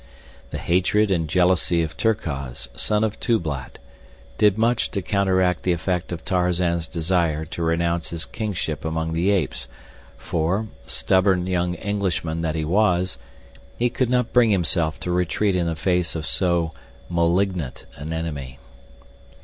The hatred and jealousy of Terkoz, son of Tublat, did much to counteract the effect of Tarzan's desire to renounce his kingship among the apes, for, stubborn young Englishman that he was, he could not bring himself to retreat in the face of so malignant an enemy.